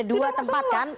ada dua tempat kan